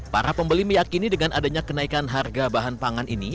para pembeli meyakini dengan adanya kenaikan harga bahan pangan ini